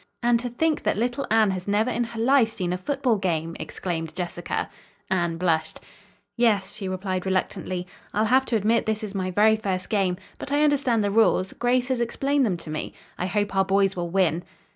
"And to think that little Anne has never in her life seen a football game!" exclaimed Jessica. Anne blushed. "Yes," she replied reluctantly, "I'll have to admit this is my very first game, but I understand the rules. Grace has explained them to me. I hope our boys will win."